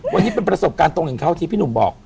วันนี้เป็นประสบการณ์ตรงของเขาที่พี่หนุ่มบอก